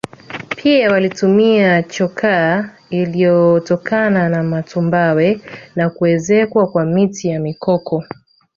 pia walitumia chokaa iliyotokana na matumbawe na kuezekwa kwa miti ya mikoko